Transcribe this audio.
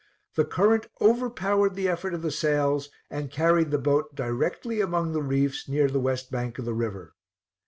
The current overpowered the effort of the sails, and carried the boat directly among the reefs, near the west bank of the river.